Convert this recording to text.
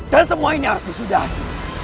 dan semua ini harus disudahi